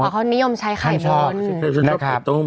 อ๋อเขานิยมใช้ไข่ต้ม